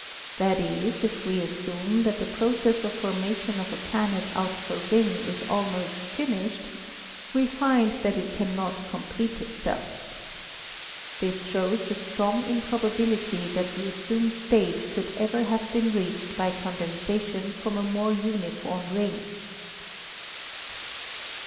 That is, if we assume that the process of formation of a planet out of a ring is almost finished, we find that it can not complete itself. This shows the strong improbability that the assumed stage could ever have been reached by condensation from a more uniform ring."